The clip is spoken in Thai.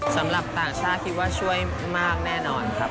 สำหรับต่างชาติคิดว่าช่วยมากแน่นอนครับ